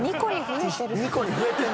２個に増えてる。